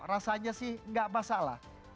rasanya sih gak masalah